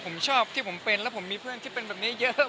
ผมชอบที่ผมเป็นแล้วผมมีเพื่อนที่เป็นแบบนี้เยอะ